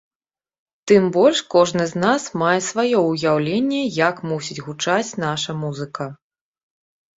Тым больш кожны з нас мае сваё ўяўленне, як мусіць гучаць наша музыка.